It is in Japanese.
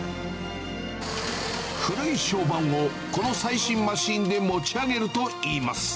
古い床版をこの最新マシンで持ち上げるといいます。